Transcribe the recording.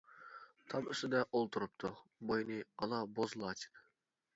تام ئۈستىدە ئولتۇرۇپتۇ، بوينى ئالا بوز لاچىن.